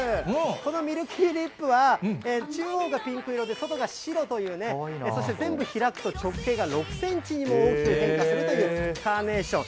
このミルキーリップは、中央がピンク色で外が白というね、そして全部開くと直径が６センチにも大きく変化するというカーネーション。